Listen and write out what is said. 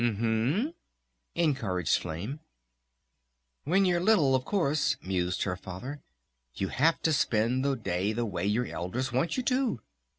"U m m," encouraged Flame. "When you're little, of course," mused her Father, "you have to spend the day the way your elders want you to!...